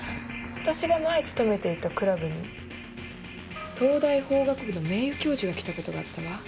私が前勤めていたクラブに東大法学部の名誉教授が来たことがあったわ。